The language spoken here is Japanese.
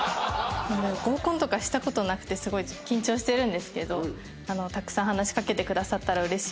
合コンとかした事なくてすごい緊張してるんですけどたくさん話しかけてくださったらうれしいです。